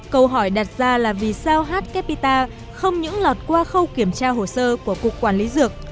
câu hỏi đặt ra là vì sao h capita không những lọt qua khâu kiểm tra hồ sơ của cục quản lý dược